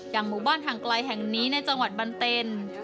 หมู่บ้านห่างไกลแห่งนี้ในจังหวัดบันเต็น